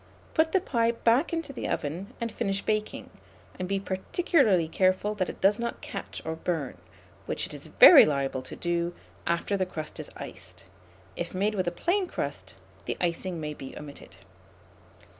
Put the pie back into the oven, and finish baking, and be particularly careful that it does not catch or burn, which it is very liable to do after the crust is iced. If made with a plain crust, the icing may be omitted.